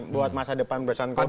buat masa depan perusahaan kompetisi